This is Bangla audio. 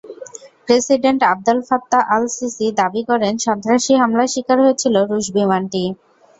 প্রেসিডেন্ট আবদেল ফাত্তাহ আল-সিসি দাবি করেন, সন্ত্রাসী হামলার শিকার হয়েছিল রুশ বিমানটি।